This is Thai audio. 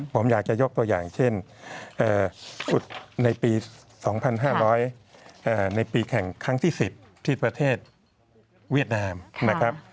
ผมอยากจะยกตัวอย่างเช่นฝึกในปี๒๕๐๐ในปีแข่งครั้งที่๑๐ที่ประเทศเวียดนามนะครับ